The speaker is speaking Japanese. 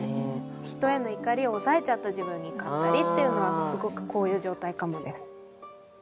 人への怒りを抑えちゃった自分に怒ったりっていうのはすごくこういう状態かもです。